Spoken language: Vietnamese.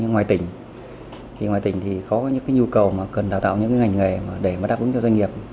nhưng ngoài tỉnh thì có những nhu cầu mà cần đào tạo những ngành nghề để đáp ứng cho doanh nghiệp